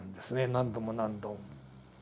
何度も何度も。